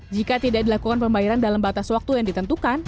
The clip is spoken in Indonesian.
jika tidak dilakukan pembayaran dalam batas waktu yang ditentukan